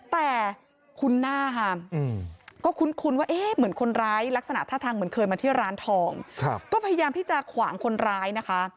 แต่คุ้นหน้าค่ะก็คุ้นว่าเอ๊ะเหมือนคนร้ายลักษณะท่าทางเหมือนเคยมาที่ร้านทองก็พยายามที่จะขวางคนร้ายนะคะ